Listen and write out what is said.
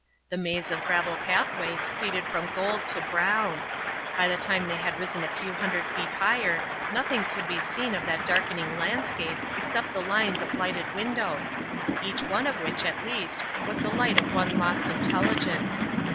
The maze of gravel pathways faded from gold to brown. By the time they had risen a few hundred feet higher nothing could be seen of that darkening landscape except the lines of lighted windows, each one of which, at least, was the light of one lost intelligence.